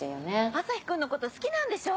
アサヒくんの事好きなんでしょ？